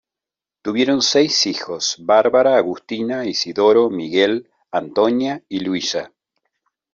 Tuvieron seis hijos Bárbara, Agustina, Isidoro, Miguel, Antonia y Luisa.